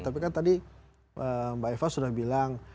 tapi kan tadi mbak eva sudah bilang